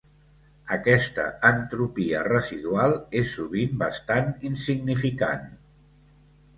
Aquesta entropia residual és sovint bastant insignificant.